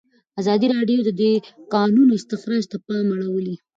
ازادي راډیو د د کانونو استخراج ته پام اړولی.